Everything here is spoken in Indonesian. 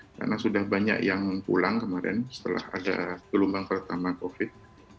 karena sudah banyak yang pulang kemarin setelah ada gelombang pertama covid